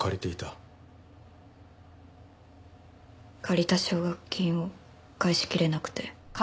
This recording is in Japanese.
借りた奨学金を返しきれなくて。